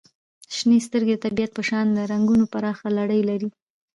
• شنې سترګې د طبیعت په شان د رنګونو پراخه لړۍ لري.